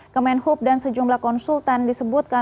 kement hub dan sejumlah konsultan disebutkan